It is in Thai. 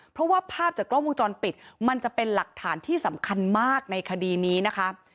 เพราะว่าภาพจากกล้องวงจรปิดมันจะเป็นหลักฐานที่สำคัญมากในคดีนี้นะคะ